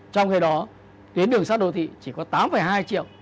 trong khi đó tuyến đường sắt đô thị chỉ có tám hai triệu